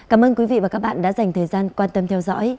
cảm ơn quý vị và các bạn đã dành thời gian quan tâm theo dõi